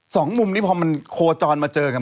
สองมุมนี้พอมันโคจรมาเจอกัน